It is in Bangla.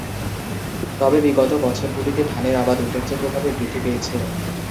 তবে বিগত বছরগুলিতে ধানের আবাদ উল্লেখযোগ্যভাবে বৃদ্ধি পেয়েছে।